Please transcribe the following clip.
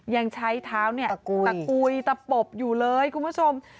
ยังใช้เท้าเนี่ยตะกุยตะปบอยู่เลยคุณผู้ชม